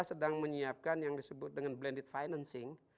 sudah disiapkan yang disebut dengan blended financing